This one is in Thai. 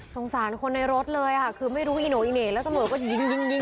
สงสารคนในรถเลยค่ะคือไม่รู้อีโนอิเน่แล้วตำรวจก็ยิงยิง